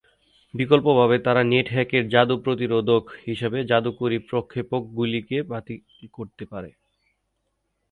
বিকল্পভাবে, তারা নেটহ্যাকের "জাদু প্রতিরোধক" হিসাবে জাদুকরী প্রক্ষেপকগুলিকে বাতিল করতে পারে।